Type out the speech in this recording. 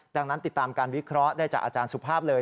ดังนั้นติดตามการวิเคราะห์ได้จากอาจารย์สุภาพเลย